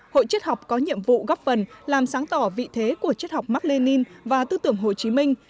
hội chết học có nhiệm vụ góp phần làm sáng tỏ vị thế của chất học mạc lê ninh và tư tưởng hồ chí minh